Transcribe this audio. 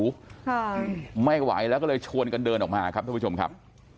ค่ะไม่ไหวแล้วก็เลยชวนกันเดินออกมาครับท่านผู้ชมครับ